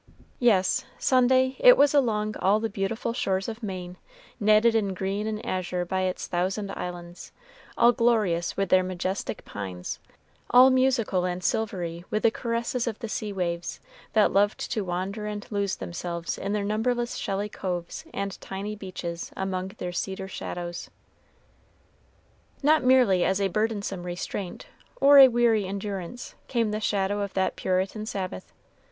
Yes, Sunday it was along all the beautiful shores of Maine netted in green and azure by its thousand islands, all glorious with their majestic pines, all musical and silvery with the caresses of the sea waves, that loved to wander and lose themselves in their numberless shelly coves and tiny beaches among their cedar shadows. Not merely as a burdensome restraint, or a weary endurance, came the shadow of that Puritan Sabbath.